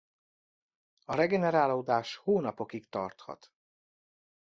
A regenerálódás hónapokig tarthat.